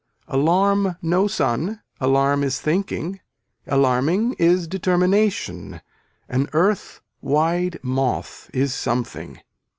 Alarm no sun, alarm is thinking, alarming is determination an earth wide moth is something.